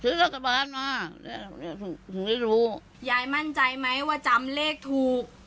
ซื้อรัฐบาลมาถึงได้ดูยายมั่นใจไหมว่าจำเลขถูก